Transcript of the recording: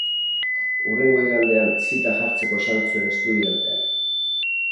Hurrengo igandean zita jartzeko esan zuen Estudianteak.